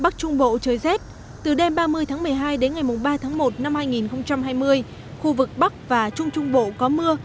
trời rét từ đêm ba mươi tháng một mươi hai đến ngày mùng ba tháng một năm hai nghìn hai mươi khu vực bắc và trung trung bộ có mưa